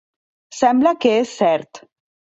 Sembla que és cert.